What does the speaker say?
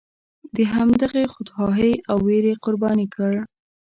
د همغې خودخواهۍ او ویرې قرباني کړ.